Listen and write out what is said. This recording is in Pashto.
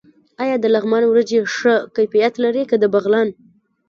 آیا د لغمان وریجې ښه کیفیت لري که د بغلان؟